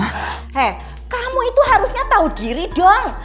hei kamu itu harusnya tahu diri dong